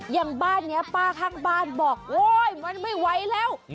อย่างบ้านนี้ป้าข้างบ้านบอกโอ๊ยมันไม่ไหวแล้ว